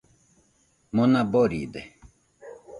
Mona boride